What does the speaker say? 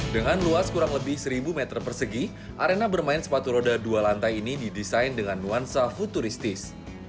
dengan luas kurang lebih seribu meter persegi arena bermain sepatu roda dua lantai ini didesain dengan nuansa futuristis